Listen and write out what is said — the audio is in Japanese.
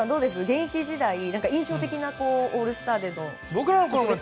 現役時代、印象的なオールスターでの特別仕様は。